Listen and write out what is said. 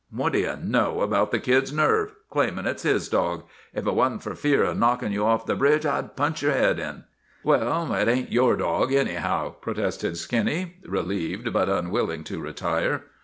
" What do you know about the kid's nerve claimin' it's his dog! If it wasn't for fear of knockin' you off the bridge I 'd punch your head in." "Well, it ain't your dog, anyhow," protested Skinny, relieved but unwilling to retire.